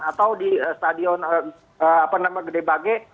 atau di stadion apa namanya gede bage